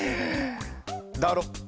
だろ？